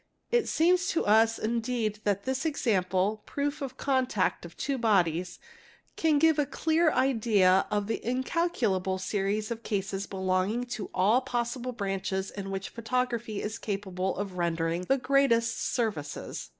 It seems to sindeed that this example (proof of contact of two bodies) can give a elear idea of the incalculable series of cases belonging to all possible ranches in which photography is capable of rendering the greatest rvices.